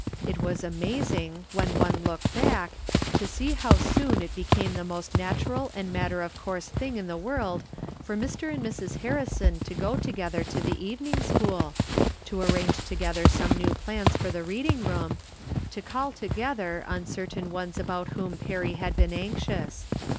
It was amazing, when one looked back, to see how soon it became the most natural and matter of course thing in the world for Mr. and IMrs. Harrison to go together to the evening school, to arrange together some new plans for the reading room, to call together From Different Standpoints. 367 on certain ones about whom Perry had been anxious.